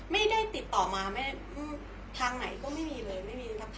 ไม่ได้ติดต่อมาทางไหนก็ไม่มีเลยไม่มีสักพัก